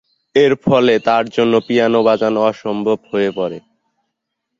এরফলে তার জন্য পিয়ানো বাজানো অসম্ভব হয়ে পরে।